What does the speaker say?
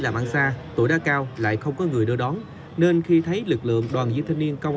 làm ăn xa tuổi đã cao lại không có người đưa đón nên khi thấy lực lượng đoàn viên thanh niên công